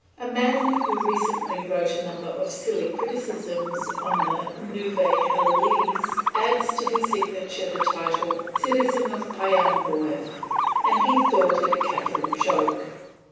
A man who recently wrote a number of silly criticisms on the "Nouvelle Heloise" added to his signature the title "Citizen of Paimboeuf," and he thought it a capital joke.